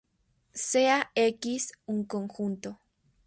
Sea "X" un conjunto.